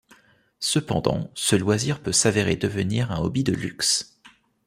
Cependant, ce loisir peut s'avérer devenir un hobby de luxe.